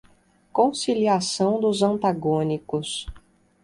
Conciliação dos antagônicos